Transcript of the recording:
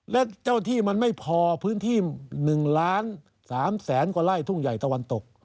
และเจ้าที่มันไม่พอพื้นที่๑ล้าน๓แสนกว่าไร่ทุ่งใหญ่ตะวันตก